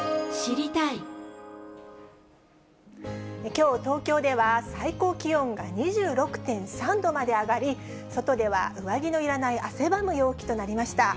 きょう東京では、最高気温が２６．３度まで上がり、外では上着のいらない汗ばむ陽気となりました。